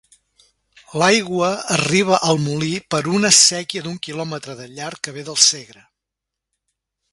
L'aigua arriba al molí per una séquia d'un kilòmetre de llarg que ve del Segre.